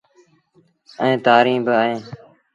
ائيٚݩ تآريٚݩ بااوهيݩ۔